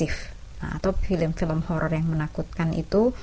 atau film film horror yang menakutkan itu